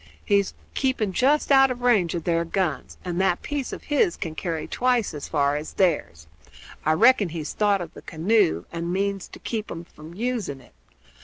He's keeping just out of range of their guns, and that piece of his can carry twice as far as theirs. I reckon he's thought of the canoe, and means to keep 'em from using it.